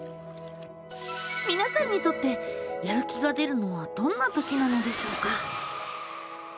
みなさんにとってやる気が出るのはどんなときなのでしょうか？